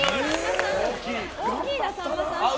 大きいさんまさん。